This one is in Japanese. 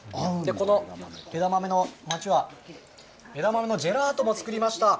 この枝豆の町は、枝豆のジェラートも作りました。